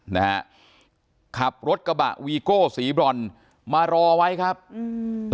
นะฮะขับรถกระบะวีโก้สีบรอนมารอไว้ครับอืม